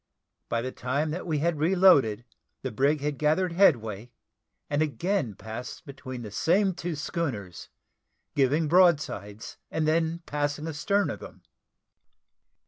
By the time that we had reloaded, the brig had gathered headway, and again passed between the same two schooners, giving broadsides, and then passing astern of them.